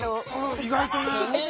意外とね。